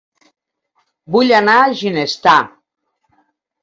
Vull anar a Ginestar